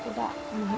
tim sar udah selesai